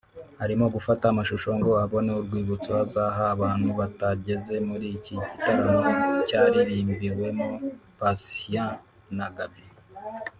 Arimo gufata amashusho ngo abone urwibutso azaha abantu batageze muri iki gitaramo cyaririmbyemo Patient na Gaby